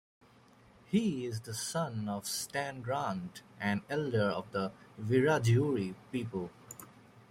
He is the son of Stan Grant, an elder of the Wiradjuri people.